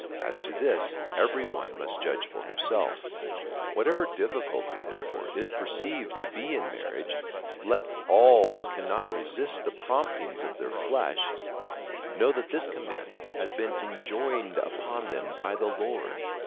As to this, every one must judge for himself Whatever difficulty, therefore, is perceived to be in marriage, let all that cannot resist the promptings of their flesh, know that this com CHAP. VII 3. FIRST EPISTLE TO THE CORINTHIANS. 225 mandment has been enjoined upon them by the Lord.